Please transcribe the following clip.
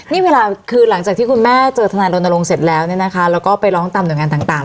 นี่เวลาคือหลังจากที่คุณแม่เจอทนายรณรงค์เสร็จแล้วเนี่ยนะคะแล้วก็ไปร้องตามหน่วยงานต่าง